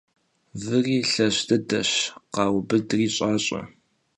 Vıri lheş dıdeş — khaubıdri ş'aş'e.